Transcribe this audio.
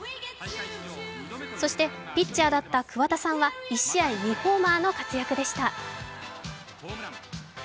そしてピッチャーだった桑田さんは１試合２ホーマーの活躍でした。